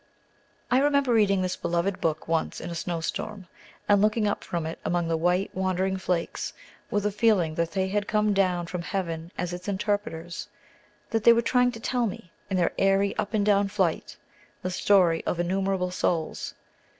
I remember reading this beloved book once in a snow storm, and looking up from it out among the white, wandering flakes, with a feeling that they had come down from heaven as its interpreters; that they were trying to tell me, in their airy up and down flight, the story of innumerable souls.